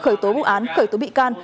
khởi tố bục án khởi tố bị can